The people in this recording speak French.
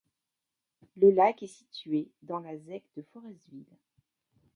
Ce lac est situé dans la zec de Forestville.